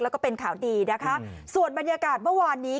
แล้วก็เป็นข่าวดีนะคะส่วนบรรยากาศเมื่อวานนี้